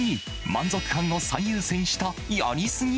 満足感を最優先したやりすぎ？